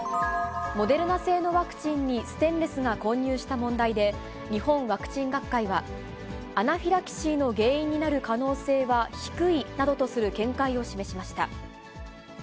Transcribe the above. モデルナ製のワクチンにステンレスが混入した問題で、日本ワクチン学会は、アナフィラキシーの原因になる可能性は低いなどとする見解を示しました。